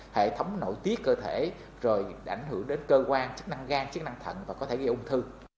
hệ thống nội tiết cơ thể rồi đã ảnh hưởng đến cơ quan chức năng gan chức năng thận và có thể gây ung thư